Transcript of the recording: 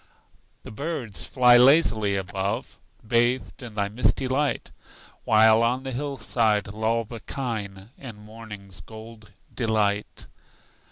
The birds fly lazily above, Bathed in thy misty light, While on the hillside loll the kine In morning's gold delight.